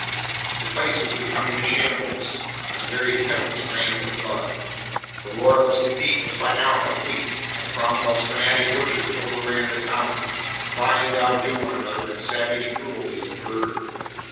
The place was become a shambles, and the very kennels ran with blood. The Royalist defeat was by now complete, and Cromwell's fanatic butchers overran the town, vying to outdo one another in savage cruelty and murder.